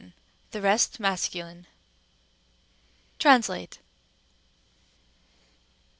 the rest masc. TRANSLATE 1.